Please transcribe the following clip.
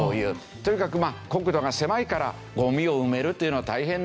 とにかく国土が狭いからゴミを埋めるっていうのは大変だ。